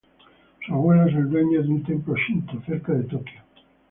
Su abuelo es el dueño de un templo Shinto, cerca de Tokio.